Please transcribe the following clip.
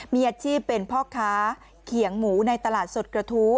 มีอาชีพเป็นพ่อค้าเขียงหมูในตลาดสดกระทู้